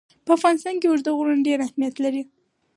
په افغانستان کې اوږده غرونه ډېر اهمیت لري.